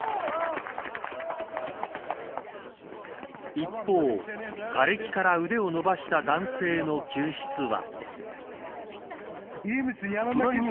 一方、がれきから腕を伸ばした男性の救出は。